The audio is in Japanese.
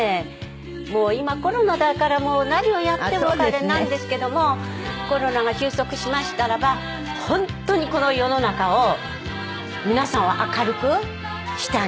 もう今コロナだから何をやってもあれなんですけどもコロナが収束しましたらば本当にこの世の中を皆さんを明るく。